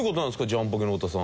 ジャンポケの太田さん。